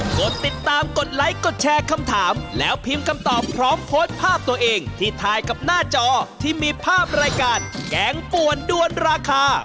กดติดตามกดไลค์กดแชร์คำถามแล้วพิมพ์คำตอบพร้อมโพสต์ภาพตัวเองที่ถ่ายกับหน้าจอที่มีภาพรายการแกงป่วนด้วนราคา